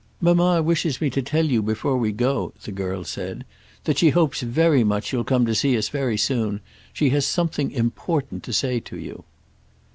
"Mamma wishes me to tell you before we go," the girl said, "that she hopes very much you'll come to see us very soon. She has something important to say to you."